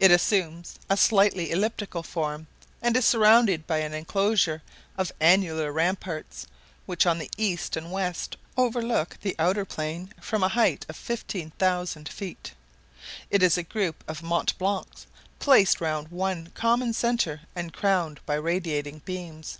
It assumes a slightly elliptical form, and is surrounded by an enclosure of annular ramparts, which on the east and west overlook the outer plain from a height of 15,000 feet. It is a group of Mont Blancs, placed round one common center and crowned by radiating beams.